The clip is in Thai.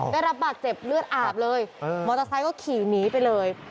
ได้รับบาดเจ็บเลือดอาบเลยมอเตอร์ไซค์ก็ขี่หนีไปเลย